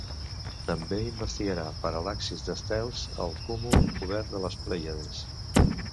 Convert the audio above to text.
També investigarà paral·laxis d'estels al cúmul obert de les Plèiades.